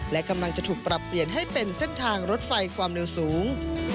และกำลังจะถูกปรับเปลี่ยนให้เป็นเส้นทางรถไฟความเร็วสูง